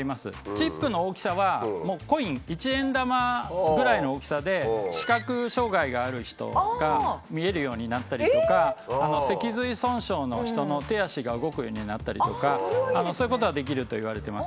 チップの大きさはコイン一円玉ぐらいの大きさで視覚障害がある人が見えるようになったりとか脊髄損傷の人の手足が動くようになったりとかそういうことはできるといわれてます。